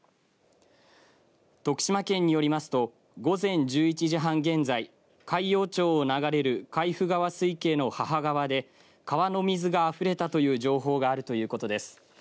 徳島県によりますと午前１１時半現在海陽町を流れる海部川水系の母川で川の水があふれたという情報があるということです。